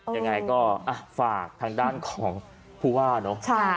ยังไงก็ฝากทางด้านของผู้ว่าเนอะ